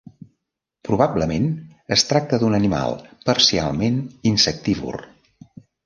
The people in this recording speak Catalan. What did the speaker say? Probablement es tracta d'un animal parcialment insectívor.